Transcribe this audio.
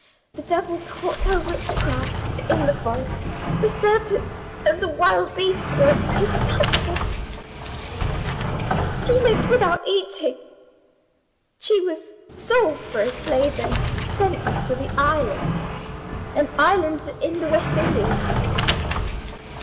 The devil taught her Witchcraft in the forest. The serpents and the wild beasts were afraid to touch her. She lived without eating. She was sold for a slave, and sent to the island an island in the West Indies.